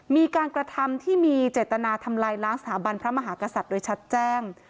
มีการกระทำที่มีเจตนาทำลายล้างสถาบันพระมหากษัตริย์โดยชัดแจ้ง